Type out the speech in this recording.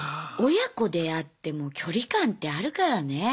親子であっても距離感ってあるからね。